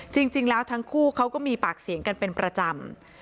จริงแล้วทั้งคู่เขาก็มีปากเสียงกันเป็นประจำ